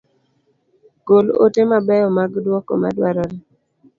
Gol ote ma beyo mag duoko ma dwarore.